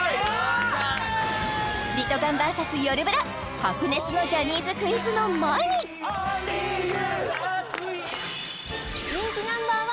リトかんｖｓよるブラ白熱のジャニーズクイズの前に人気Ｎｏ．１